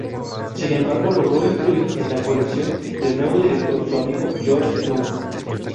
Sin embargo, logró influir en la elección del nuevo director, su amigo George Trump.